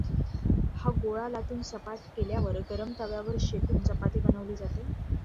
हा गोळा लाटून सपाट केल्यावर गरम तव्यावर शेकून चपाती बनवली जाते.